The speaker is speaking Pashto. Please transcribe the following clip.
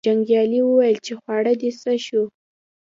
جنګیالي وویل چې خواړه دې څه شو.